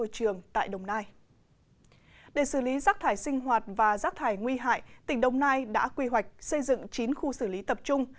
trong thời gian hoạt và rác thải nguy hại tỉnh đồng nai đã quy hoạch xây dựng chín khu xử lý tập trung